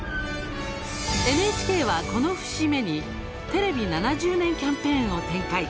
ＮＨＫはこの節目に「テレビ７０年」キャンペーンを展開。